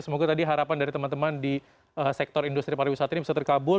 semoga tadi harapan dari teman teman di sektor industri pariwisata ini bisa terkabul